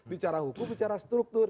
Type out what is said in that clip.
bicara hukum bicara struktur